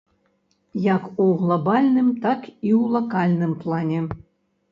Як у глабальным, так і ў лакальным плане.